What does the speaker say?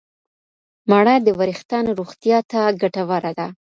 مڼه د وریښتانو روغتیا ته ګټوره ده.